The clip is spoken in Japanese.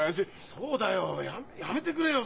そうだよやめてくれよ。